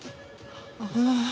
ああ！